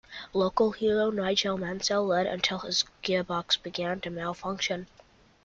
Local hero Nigel Mansell led until his gearbox began to malfunction.